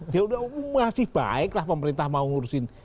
ya sudah masih baik lah pemerintah mau ngurusin